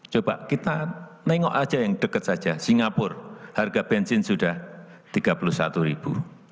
coba kita nengok aja yang dekat saja singapura harga bensin sudah rp tiga puluh satu ribu